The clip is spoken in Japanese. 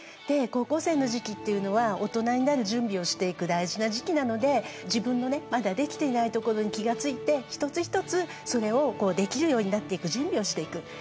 で高校生の時期っていうのはオトナになる準備をしていく大事な時期なので自分のねまだできていないところに気が付いて一つ一つそれをできるようになっていく準備をしていく。